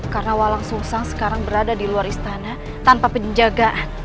karena walang sungsang sekarang berada di luar istana tanpa penjagaan